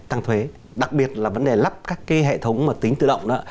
tăng thuế đặc biệt là vấn đề lắp các cái hệ thống tính tự động đó